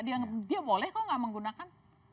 dia boleh kok nggak menggunakan